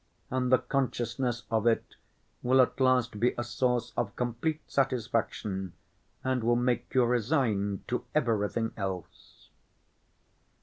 And the consciousness of it will at last be a source of complete satisfaction and will make you resigned to everything else."